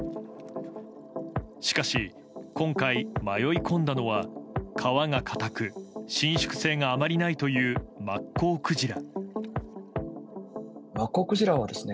しかし、今回迷い込んだのは皮が硬く伸縮性があまりないというマッコウクジラ。